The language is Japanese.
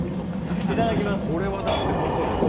これはだってうまそうやもん。